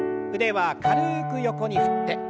腕は軽く横に振って。